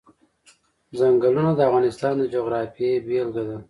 چنګلونه د افغانستان د جغرافیې بېلګه ده.